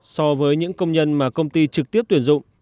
so với những công nhân mà công ty trực tiếp tuyển dụng